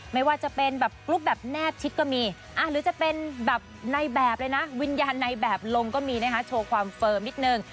ไม่ว่าจะเป็นแบบกรุ๊ปแบบแนบชิดก็มีหรือจะเป็นแบบในแบบเลยนะวิญญาณในแบบลงก็มีนะคะโชว์ความเฟิร์มนิดนึง